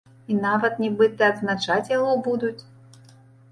І нават нібыта адзначаць яго будуць!